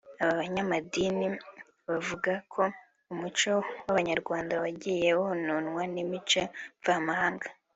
Aba banyamadini bavuga ko umuco w’Abanyarwanda wagiye wononwa n’imico mvamahanga